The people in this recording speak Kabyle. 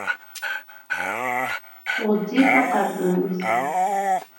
Ɣezzif aqerdun-is.